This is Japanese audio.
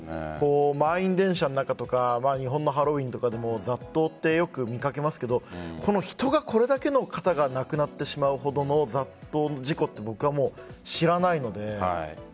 満員電車の中とか日本のハロウィーンとかでも雑踏はよく見かけますがこれだけの方が亡くなってしまうほどの雑踏の事故は僕は知らないので。